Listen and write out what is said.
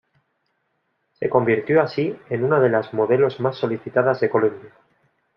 Se convirtió así en una de las modelos más solicitadas de Colombia.